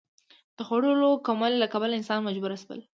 د خوړو کموالي له کبله انسانان مجبور شول.